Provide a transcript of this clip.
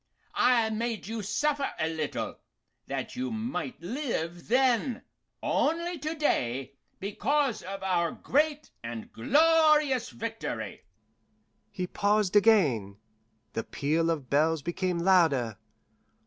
I made you suffer a little, that you might live then. Only to day, because of our great and glorious victory " He paused again. The peal of bells became louder.